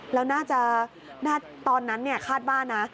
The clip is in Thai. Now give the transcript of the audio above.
แล้วน่าจะตอนนั้นคาดว่านะ